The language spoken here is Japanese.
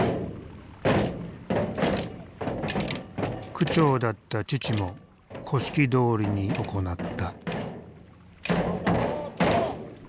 区長だった父も古式どおりに行った。